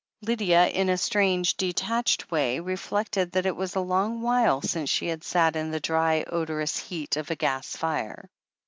Lydia, in a strange, detached way, reflected that it was a long while since she had sat in the dry, odorous heat of a gas fire.